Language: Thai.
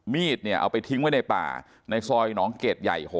มีดเนี่ยเอาไปทิ้งไว้ในป่าในซอยหนองเกดใหญ่๖